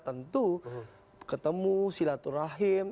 tentu ketemu silaturahim